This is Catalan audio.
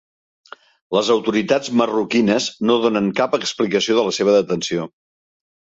Les autoritats marroquines no donen cap explicació de la seva detenció.